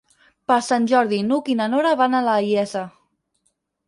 Per Sant Jordi n'Hug i na Nora van a la Iessa.